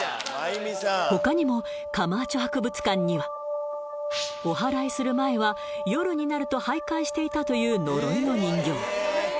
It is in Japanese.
他にもカマーチョ博物館にはお祓いする前は夜になると徘徊していたという呪いの人形